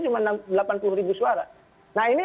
cuma delapan puluh ribu suara nah ini